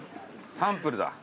サンプルだ。